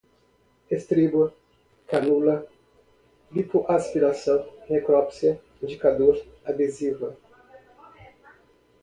lanceta, extrator, comedão, estribo, canula, lipoaspiração, necropsia, indicador, adesiva, fleboscópio